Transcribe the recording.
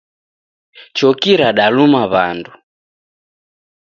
Choki radaluma wandu.